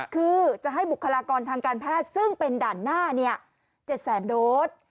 คือจะให้บุคลากรทางการแพทย์ซึ่งเป็นด่านหน้า๗แสนโดส